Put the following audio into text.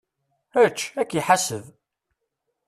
Ečč! Ad k-iḥaseb!